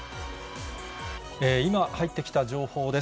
今、入ってきた情報です。